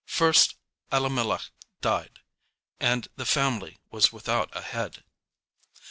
First Elimelech died, and the family was without a head.